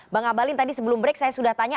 bang abalin tadi sebelum break saya sudah tanya